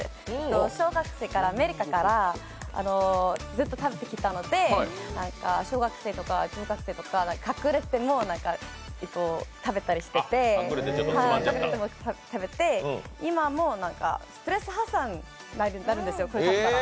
小学生から、アメリカからずっと食べてきたので、小学生とか中学生とか隠れて食べたりしてて今もストレス発散になるんですよ、食べたら。